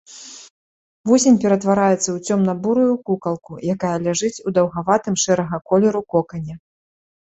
Вусень ператвараецца ў цёмна-бурую кукалку, якая ляжыць у даўгаватым шэрага колеру кокане.